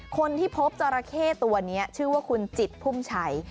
คนที่พบจราเข้ตัวนี้ชื่อว่าคุณจิตพุ่มชัย